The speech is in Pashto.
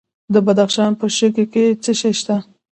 د بدخشان په شکی کې څه شی شته؟